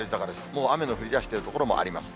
もう雨の降りだしている所もあります。